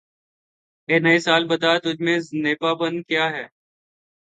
اے نئے سال بتا، تُجھ میں نیا پن کیا ہے؟